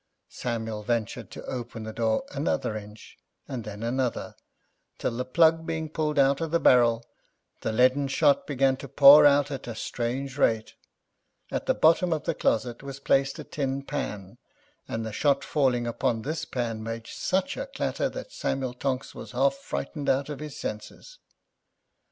Samuel ventured to open the door another inch, and then another, till the plug being pulled out of the barrel, the leaden shot began to pour out at a strange rate; at the bottom of the closet was placed a tin pan, and the shot falling upon this pan made such a clatter that Samuel Tonks was half frightened out of his senses.